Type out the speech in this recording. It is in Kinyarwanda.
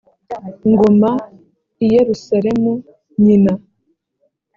ngoma i yerusalemu nyina